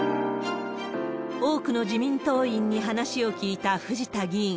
多くの自民党員に話を聞いた藤田議員。